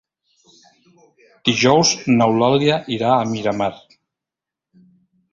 Dijous n'Eulàlia irà a Miramar.